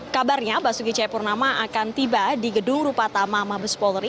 kabarnya basuki cahayapurnama akan tiba di gedung rupatama mabes polri